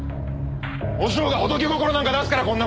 お嬢が仏心なんか出すからこんな事に。